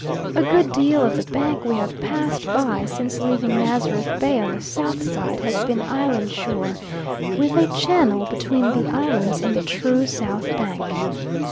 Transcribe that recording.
A good deal of the bank we have passed by since leaving Nazareth Bay on the south side has been island shore, with a channel between the islands and the true south bank.